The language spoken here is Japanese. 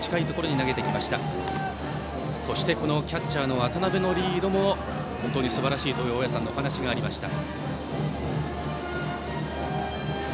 そしてキャッチャーの渡辺のリードも本当にすばらしいという大矢さんのお話がありました。